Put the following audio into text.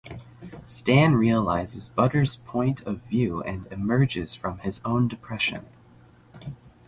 Stan realizes Butters' point of view and emerges from his own depression.